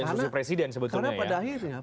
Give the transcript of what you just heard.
instruksi presiden sebetulnya ya karena pada akhirnya